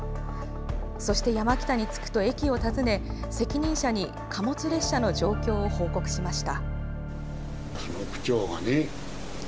そして山北に着くと駅を訪ね責任者に貨物列車の状況を報告しました。